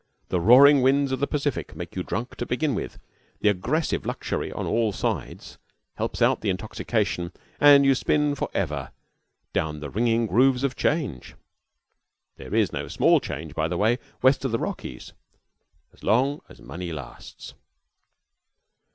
The roaring winds of the Pacific make you drunk to begin with. The aggressive luxury on all sides helps out the intoxication, and you spin forever "down the ringing grooves of change" (there is no small change, by the way, west of the Rockies) as long as money lasts.